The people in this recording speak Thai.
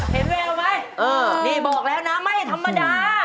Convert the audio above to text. แววไหมนี่บอกแล้วนะไม่ธรรมดา